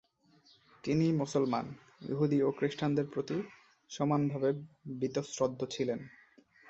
তিনি মুসলমান, ইহুদি ও খ্রিস্টানদের প্রতি সমানভাবে বীতশ্রদ্ধ ছিলেন।